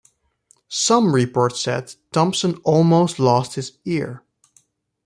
Some reports said Thomson almost lost his ear.